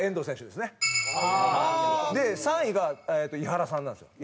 で３位が井原さんなんですよ。